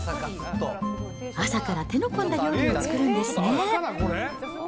朝から手の込んだ料理を作るんですね。